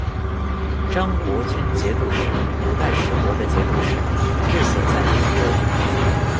彰国军节度使，五代十国的节度使，治所在应州。